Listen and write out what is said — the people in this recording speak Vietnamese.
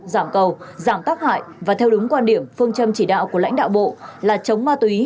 giảm cầu giảm tác hại và theo đúng quan điểm phương châm chỉ đạo của lãnh đạo bộ là chống ma túy